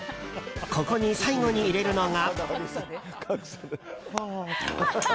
ここに最後に入れるのが。